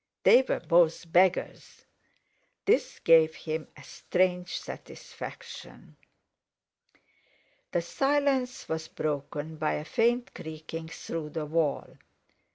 They were both beggars. This gave him a strange satisfaction. The silence was broken by a faint creaking through the wall.